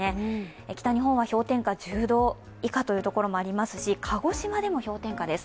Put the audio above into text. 北日本は氷点下１０度以下というところもありますし、鹿児島でも氷点下です。